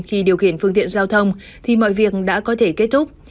khi điều khiển phương tiện giao thông thì mọi việc đã có thể kết thúc